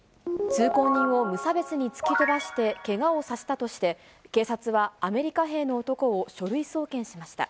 通行人を無差別に突き飛ばしてけがをさせたとして、警察はアメリカ兵の男を書類送検しました。